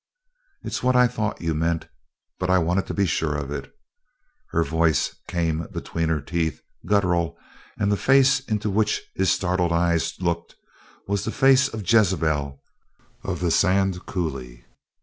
"It's what I thought you meant, but I wanted to be sure of it!" Her voice came between her teeth, guttural, and the face into which his startled eyes looked was the face of Jezebel of the Sand Coulee.